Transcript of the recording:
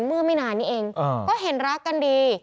เมื่อไม่นานนี้เองก็เห็นรักกันดี